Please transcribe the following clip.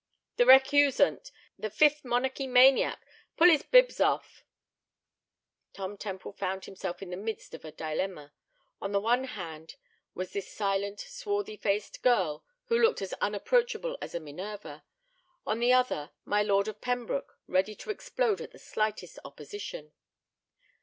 "The recusant, the Fifth Monarchy maniac! Pull his bibs off!" Tom Temple found himself in the midst of a dilemma. On the one hand was this silent, swarthy face girl who looked as unapproachable as a Minerva; on the other, my Lord of Pembroke, ready to explode at the slightest opposition.